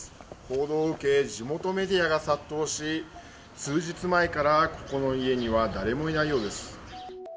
報道を受け、地元メディアが殺到し数日前からここの家には誰もいないようです。